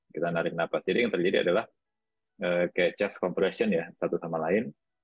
kita narik nafas jadi yang terjadi adalah kayak chest compression ya satu sama lain